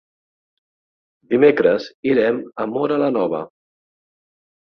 Dimecres irem a Móra la Nova.